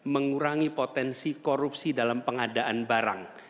mengurangi potensi korupsi dalam pengadaan barang